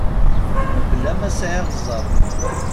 Mebla ma sɛiɣ zzerb.